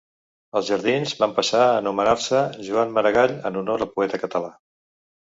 Els jardins van passar a anomenar-se Joan Maragall, en honor del poeta català.